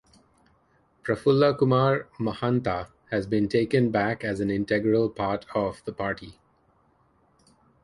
Prafulla Kumar Mahanta has been taken back as an integral part of the party.